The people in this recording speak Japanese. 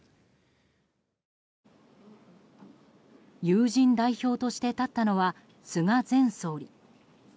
友人代表として立ったのは菅前総理。